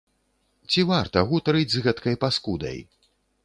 Ці варта гутарыць з гэткай паскудай?